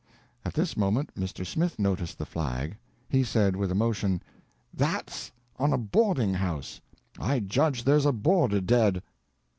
At this moment Mr. Smith noticed the flag. He said with emotion: "That's on a boarding house. I judge there's a boarder dead."